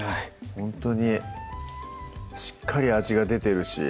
ほんとにしっかり味が出てるし